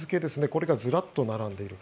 これがずらっと並んでいる。